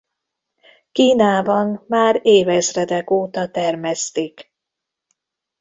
Kínában már évezredek óta termesztik.